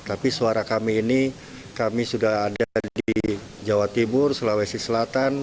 tapi suara kami ini kami sudah ada di jawa timur sulawesi selatan